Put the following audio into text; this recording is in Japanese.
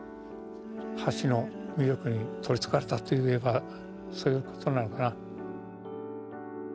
橋の魅力に取りつかれたといえばそういう事なのかな。